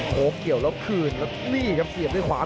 โก้เกี่ยวแล้วคืนแล้วนี่ครับเสียบด้วยขวา